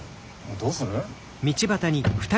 どうする？